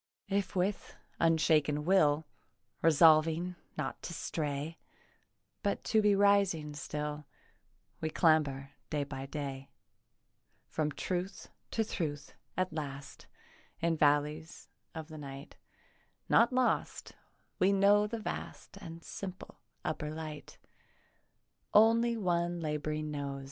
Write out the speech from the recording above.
If with unshaken will, Resolving not to stray But to be rising still, We clamber day by day From truth to truth, at last, In valleys of the night Not lost, we know the vast And simple upper light, Only one labouring knows.